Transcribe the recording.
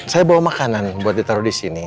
saya bawa makanan buat ditaruh di sini